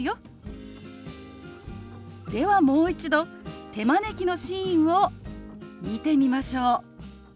ではもう一度手招きのシーンを見てみましょう。